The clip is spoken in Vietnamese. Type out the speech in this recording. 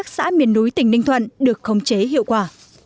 xã miền núi tỉnh ninh thuận được khống chế hiệu quả